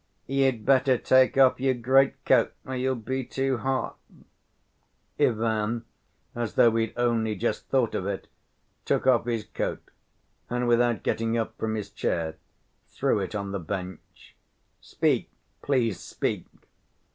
"You'd better take off your greatcoat, or you'll be too hot." Ivan, as though he'd only just thought of it, took off his coat, and, without getting up from his chair, threw it on the bench. "Speak, please, speak."